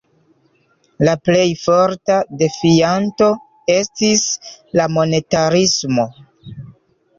La plej forta defianto estis la monetarismo.